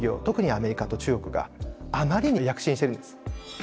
特にアメリカと中国があまりに躍進しているんです。